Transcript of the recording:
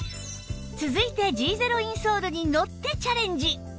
続いて Ｇ ゼロインソールにのってチャレンジ